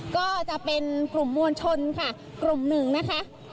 ก็จะเป็นกลุ่มมวลชนค่ะกลุ่มหนึ่งนะคะ